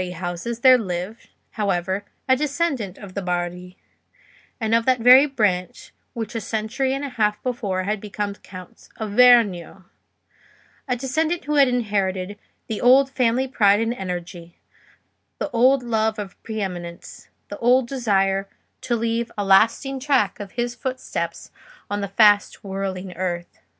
In one of these Neri houses there lived, however, a descendant of the Bardi, and of that very branch which a century and a half before had become Counts of Vernio: a descendant who had inherited the old family pride and energy, the old love of pre eminence, the old desire to leave a lasting track of his footsteps on the fast whirling earth.